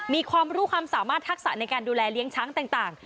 มีความรู้ความสามารถทักษะในการดูแลเลี้ยงช้างต่าง